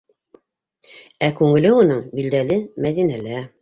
Ә күңеле уның, билдәле, Мәҙинәлә.